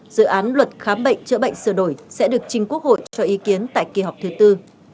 dự án luật khám bệnh chữa bệnh sửa đổi sẽ được trình quốc hội cho ý kiến tại kỳ họp thứ tư